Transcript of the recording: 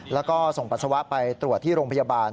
แล้วก็ส่งปัสสาวะไปตรวจที่โรงพยาบาล